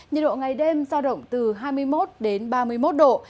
nhiệt độ ngày đêm giao động từ hai mươi một đến ba mươi một độ